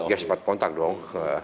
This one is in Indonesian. ya sempat kontak dong